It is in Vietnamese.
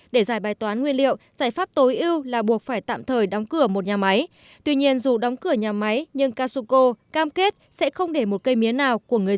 để giải bài toán nguyên liệu giải pháp tối ưu là buộc phải tạm thời đóng cửa một nhà máy